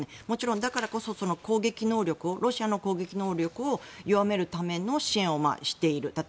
もちろん、だからこそロシアの攻撃能力を弱めるための支援をしている。